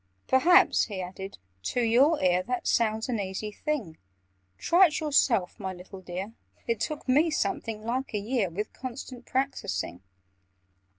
"Perhaps," he added, "to your ear That sounds an easy thing? Try it yourself, my little dear! It took me something like a year, With constant practising.